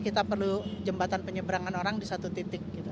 kita perlu jembatan penyeberangan orang di satu titik gitu